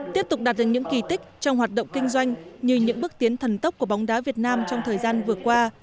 tiếp tục đạt được những kỳ tích trong hoạt động kinh doanh như những bước tiến thần tốc của bóng đá việt nam trong thời gian vừa qua